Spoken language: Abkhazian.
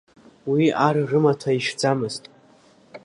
Уи ар рымаҭәа ишәӡамызт.